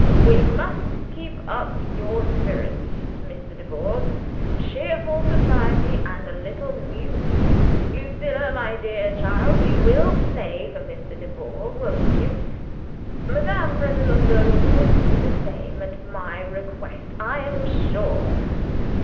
We must keep up your spirits, Mr. Dubourg. Cheerful society, and a little music. Lucilla, my dear child, you will play for Mr. Dubourg, won't you? Madame Pratolungo will do the same at My request I am sure.